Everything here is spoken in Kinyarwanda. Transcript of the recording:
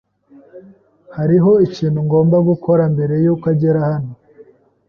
Hariho ikintu ngomba gukora mbere yuko agera hano.